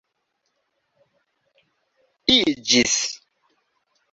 iĝis